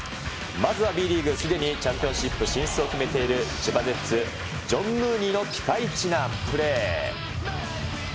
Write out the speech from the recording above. まずはＢリーグ、すでにチャンピオンシップ進出を決めている千葉ジェッツ、ジョン・ムーニーのピカイチなプレー。